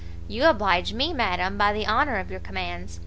"You oblige me, madam, by the honour of your commands.